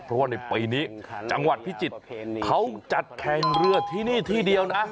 เพราะว่าในปีนี้จังหวัดพิจิตรเขาจัดแข่งเรือที่นี่ที่เดียวนะ